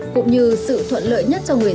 cũng như sự thuận lợi nhất cho người dân